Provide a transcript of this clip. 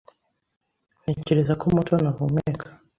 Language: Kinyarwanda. Ntekereza ko Mutoni ahumeka.